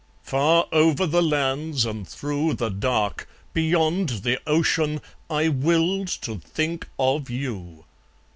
... Far over the lands and through The dark, beyond the ocean, I willed to think of YOU!